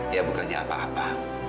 ya bukannya apa apa